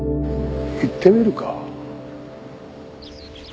行ってみるか。